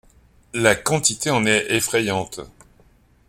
La quantité en est effrayante.